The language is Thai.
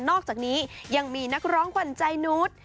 อกจากนี้ยังมีนักร้องขวัญใจนุษย์